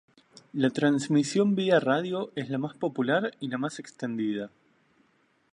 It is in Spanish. La transmisión vía radio es la más popular y la más extendida.